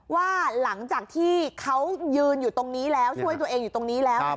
ว่าหลังจากที่เขายืนอยู่ตรงนี้แล้วช่วยตัวเองอยู่ตรงนี้แล้ว